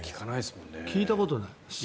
聞いたことない。